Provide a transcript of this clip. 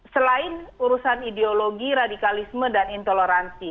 selain urusan ideologi radikalisme dan intoleransi